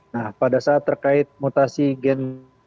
nah pada saat terkait mutasi gen